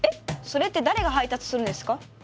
それって誰が配達するんですか？